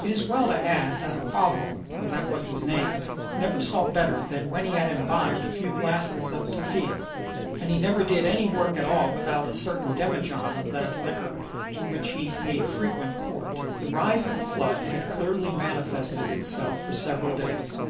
It is as well to add that Araujo that was his name never saw better than when he had imbibed a few glasses of tafia; and he never did any work at all without a certain demijohn of that liquor, to which he paid frequent court. The rise of the flood had clearly manifested itself for several days.